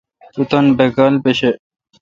تو تان بیکال پیشہ۔